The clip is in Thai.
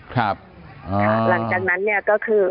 หลังจากนั้นเนี่ยก็คือ